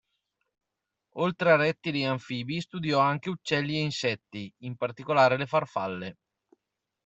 Oltre a rettili e anfibi, studiò anche uccelli e insetti, in particolare le farfalle.